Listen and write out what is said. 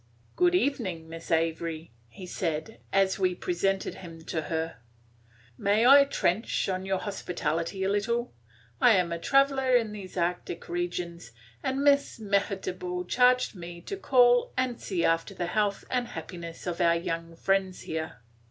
"Good evening, Miss Avery," he said, as we presented him to her. "May I trench on your hospitality a little? I am a traveller in these arctic regions, and Miss Mehitable charged me to call and see after the health and happiness of our young friends here.